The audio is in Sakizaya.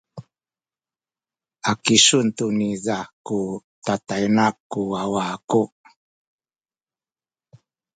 a kisuen tu niza tatayna ku wawa aku.